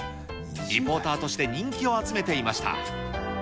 リポーターとして人気を集めていました。